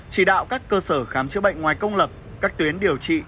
chỉ đạo các cơ sở khám chữa bệnh ngoài công lập các tuyến điều trị